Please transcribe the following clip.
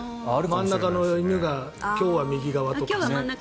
真ん中の犬が今日は右側とか。